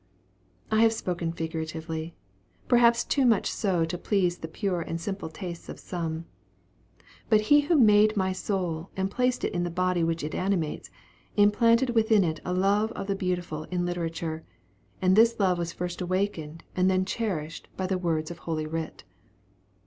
I have spoken figuratively perhaps too much so to please the pure and simple tastes of some but He who made my soul and placed it in the body which it animates, implanted within it a love of the beautiful in literature, and this love was first awakened and then cherished by the words of Holy Writ.